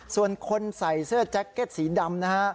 ส่วนคนใส่เสื้อแจ็คเก็ตสีดำนะฮะ